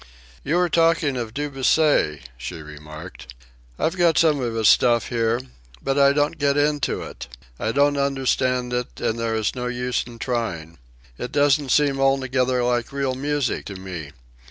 "You were talking of Debussy," she remarked. "I've got some of his stuff here. But I don't get into it. I don't understand it, and there is no use in trying. It doesn't seem altogether like real music to me.